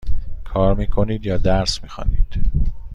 کار می کنید یا درس می خوانید؟